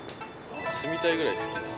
住みたいくらい好きです。